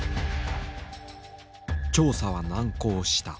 調査は難航した。